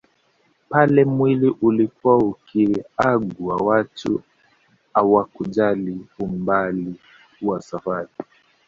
Pale mwili ulikuwa ukiagwa watu hawakujali umbali wa safari